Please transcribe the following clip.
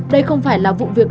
đây không phải là vụ việc